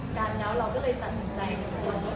กันแล้วเราก็เลยตัดสินใจทุกคน